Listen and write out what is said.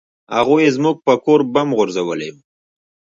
هغوى زموږ پر کور بم غورځولى و.